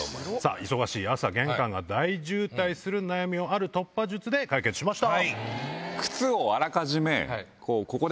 忙しい朝玄関が大渋滞する悩みをある突破術で解決しました。